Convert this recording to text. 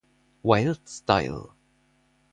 Wild Style!